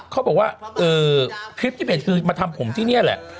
เขาบอกว่าคลิปที่เห็นคือมาทำผมที่นี่แหละ